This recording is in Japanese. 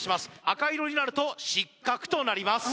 赤色になると失格となります